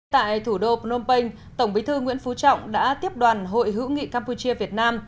tại thủ đô phnom penh tổng bí thư nguyễn phú trọng đã tiếp đoàn hội hữu nghị campuchia việt nam